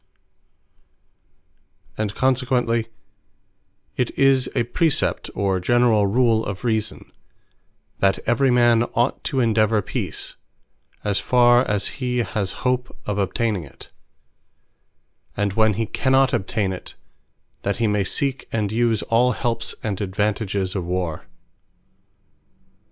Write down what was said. The Fundamental Law Of Nature And consequently it is a precept, or generall rule of Reason, "That every man, ought to endeavour Peace, as farre as he has hope of obtaining it; and when he cannot obtain it, that he may seek, and use, all helps, and advantages of Warre."